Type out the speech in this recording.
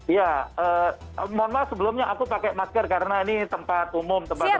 iya mohon maaf sebelumnya aku pakai masker karena ini tempat umum tempat terbuka ya